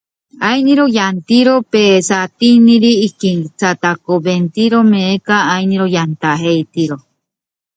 Los ritos y las tradiciones animistas siguen siendo muy practicadas.